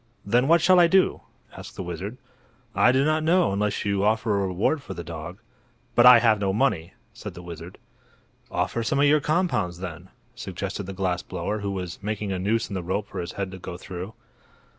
"Then what shall I do?" asked the wizard. "I do not know, unless you offer a reward for the dog." "But I have no money," said the wizard. "Offer some of your compounds, then," suggested the glass blower, who was making a noose in the rope for his head to go through.